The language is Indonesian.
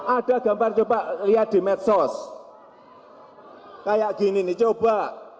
ada gambar coba lihat di medsos kayak gini nih coba